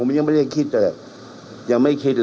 อยู่อีก๒ปี